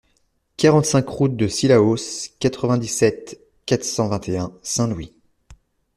quarante-cinq route de Cilaos, quatre-vingt-dix-sept, quatre cent vingt et un, Saint-Louis